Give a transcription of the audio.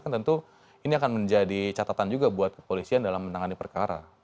tentu ini akan menjadi catatan juga buat kepolisian dalam menangani perkara